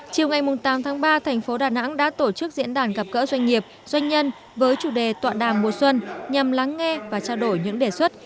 chiều ngày tám tháng ba thành phố đà nẵng đã tổ chức diễn đàn gặp gỡ doanh nghiệp doanh nhân với chủ đề tọa đàm mùa xuân nhằm lắng nghe và trao đổi những đề xuất